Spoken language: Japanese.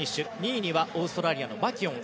２位にはオーストラリアのマキュオン。